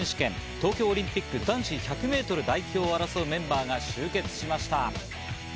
東京オリンピック男子１００ｍ代表を争うメンバーが集結しました。